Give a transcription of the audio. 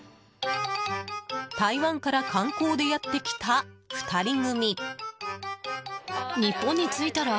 台湾から観光でやってきた２人組。